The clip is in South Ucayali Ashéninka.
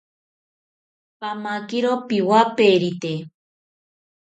Pamakiro piwaperite